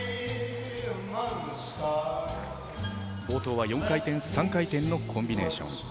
冒頭は４回転、３回転のコンビネーション。